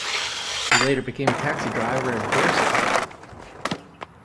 He later became a taxi driver in Dorset.